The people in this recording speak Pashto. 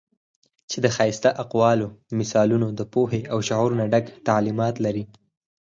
چې د ښائسته اقوالو، مثالونو د پوهې او شعور نه ډک تعليمات لري